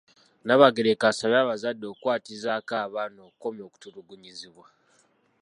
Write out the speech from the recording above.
Nnabagereka asabye abazadde okukwatizaako abaana okukomya okutulugunyizibwa.